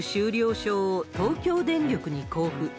証を東京電力に交付。